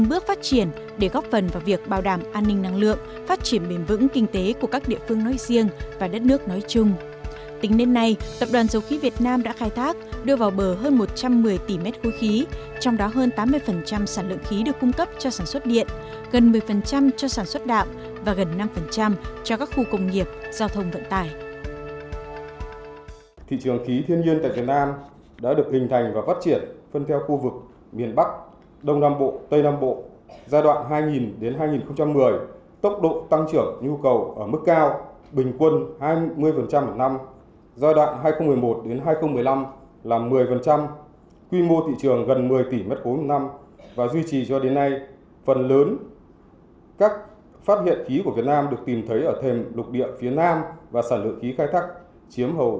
các phát hiện khí của việt nam được tìm thấy ở thềm lục điện phía nam và sản lượng khí khai thác chiếm hầu như toàn bộ thị trường